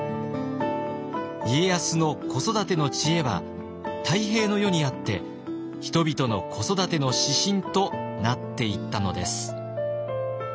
家康の子育ての知恵は太平の世にあって人々の子育ての指針となっていったのです。